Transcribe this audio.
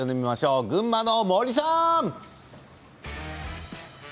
群馬の森さん！